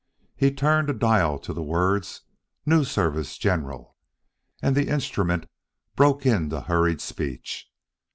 He turned a dial to the words: "News Service General," and the instrument broke into hurried speech.